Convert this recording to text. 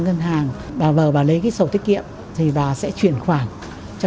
không bị mất một xu nào